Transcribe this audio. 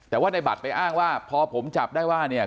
แต่ว่าในบัตรไปอ้างว่าพอผมจับได้ว่าเนี่ย